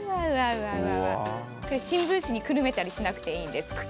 これ、新聞紙にくるんだりしなくてもいいんです。